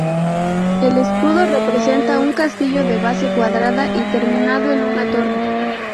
El escudo representa un castillo de base cuadrada y terminado en una torre.